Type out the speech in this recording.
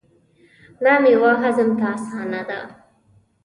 دا میوه هضم ته اسانه ده.